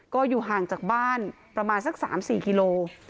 ก็อยู่ห่างจากบ้านประมาณสัก๓๔กิโล